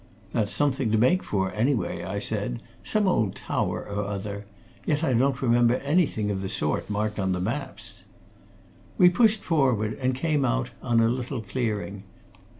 "That's something to make for, anyway," I said. "Some old tower or other. Yet I don't remember anything of the sort, marked on the maps." We pushed forward, and came out on a little clearing.